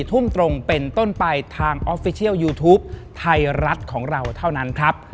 ทุ่มตรงเป็นต้นไปทางออฟฟิเชียลยูทูปไทยรัฐของเราเท่านั้นครับ